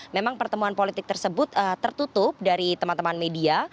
memang pertemuan politik tersebut tertutup dari teman teman media